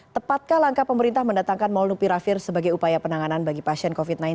tepatkah langkah pemerintah mendatangkan molnupiravir sebagai upaya penanganan bagi pasien covid sembilan belas